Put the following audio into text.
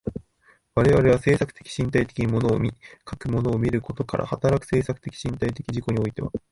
我々は制作的身体的に物を見、かく物を見ることから働く制作的身体的自己においては、